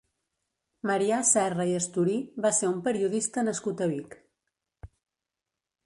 Marià Serra i Esturí va ser un periodista nascut a Vic.